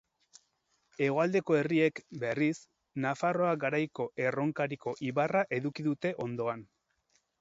Hegoaldeko herriek, berriz, Nafarroa Garaiko Erronkariko ibarra eduki dute ondoan.